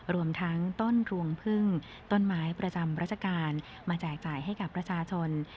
รวมทั้งต้นรวงพึ่งต้นไม้ประจำราชการมาแจกจ่ายให้กับประชาชน